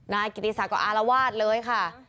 นายกิติศักดิ์อารวาสเลยค่ะ